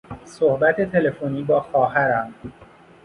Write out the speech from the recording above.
صحبت تلفنی با خواهرم